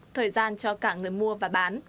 thời gian cho cả người mua